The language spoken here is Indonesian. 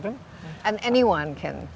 dan siapa saja yang bisa